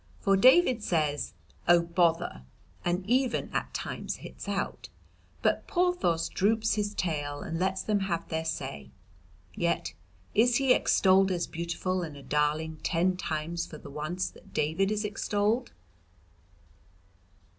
For David says 'Oh, bother!' and even at times hits out, but Porthos droops his tail and lets them have their say. Yet is he extolled as beautiful and a darling ten times for the once that David is extolled.